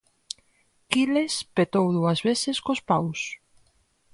Quiles petou dúas veces cos paus.